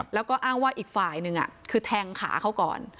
แล้วก็อ้างว่าอีกฝ่ายหนึ่งคือแทงขาเขาก่อน